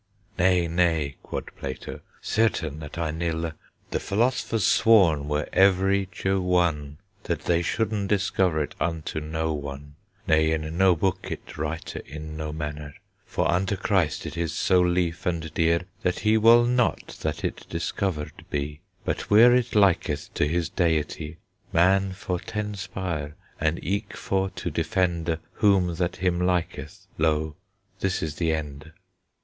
'Nay, nay,' quod Plato, 'certein that I nylle; The philosophres sworn were everychoon That they sholden discovers it unto noon, Ne in no book it write in no manere, For unto Crist it is so lief and deere, That he wol nat that it discovered bee, But where it liketh to his deitee Man for tenspire, and eek for to deffende Whom that hym liketh; lo, this is the ende.'